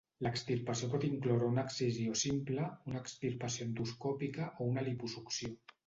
L'extirpació pot incloure una excisió simple, una extirpació endoscòpica o una liposucció.